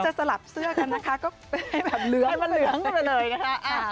น่าจะสลับเสื้อกันนะคะก็ให้แบบเหลืองเลยนะคะ